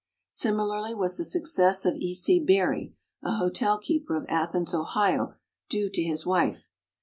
Similarly was the success of E. C. Berry, a hotel keeper of Athens, Ohio, due to his wife.